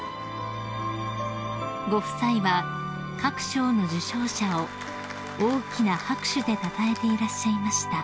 ［ご夫妻は各賞の受賞者を大きな拍手でたたえていらっしゃいました］